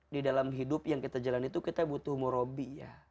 di dalam hidup yang kita jalani itu kita butuh morobi ya